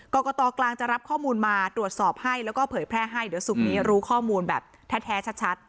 กรกตกลางจะรับข้อมูลมาตรวจสอบให้แล้วก็เผยแพร่ให้เดี๋ยวศุกร์นี้รู้ข้อมูลแบบแท้ชัด